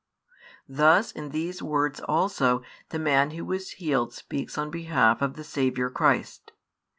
Thus in these words also the man who was healed speaks on behalf of the Saviour Christ.